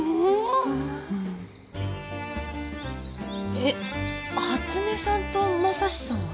えっ初音さんと正史さんが？